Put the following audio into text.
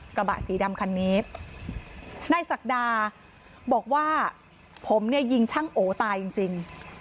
กระบะสีดำคันนี้นายศักดาบอกว่าผมเนี่ยยิงช่างโอตายจริงจริง